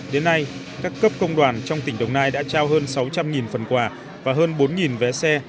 đến nay các cấp công đoàn trong tỉnh đồng nai đã trao hơn sáu trăm linh phần quà và hơn bốn vé xe